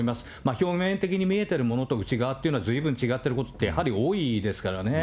表面的に見えているものと、内側っていうのはずいぶん違っていることはやはり多いですからね。